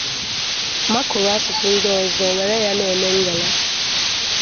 makụrụ asụsụ ndị ọzọ were ya na-eme ngala